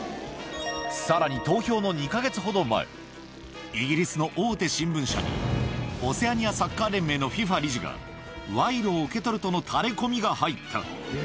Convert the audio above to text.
さらに投票の２か月ほど前、イギリスの大手新聞社に、オセアニアサッカー連盟のＦＩＦＡ理事が賄賂を受け取るとのタレコミが入った。